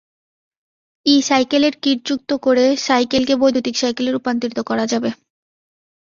ই সাইকেলের কিট যুক্ত করে সাইকেলকে বৈদ্যুতিক সাইকেলে রূপান্তর করা যাবে।